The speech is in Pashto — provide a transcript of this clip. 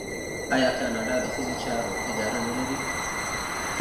آیا کاناډا د ښځو چارو اداره نلري؟